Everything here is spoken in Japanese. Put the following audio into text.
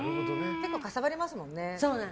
結構かさばりますもんね。